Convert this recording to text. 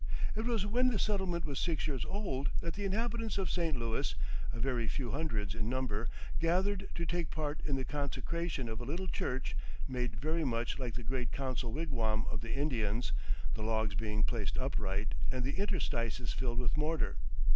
It was when the settlement was six years old that the inhabitants of St. Louis, a very few hundreds in number, gathered to take part in the consecration of a little church, made very much like the great council wigwam of the Indians, the logs being placed upright, and the interstices filled with mortar.